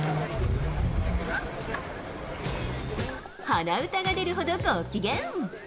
鼻歌が出るほどご機嫌。